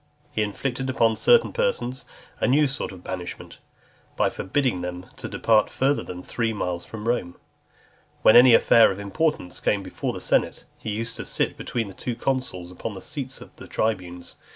He inflicted on certain persons a new sort of banishment, by forbidding them to depart further than three miles from Rome. When any affair of importance came before the senate, he used to sit between the two consuls upon the seats of the tribunes.